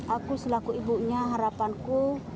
aku selaku ibunya harapanku